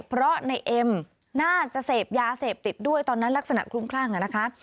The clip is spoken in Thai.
เพราะในเอ็มน่าจะเสพยาเสพติดด้วยตอนนั้นลักษณะคลุ้มคลั่งนะคะ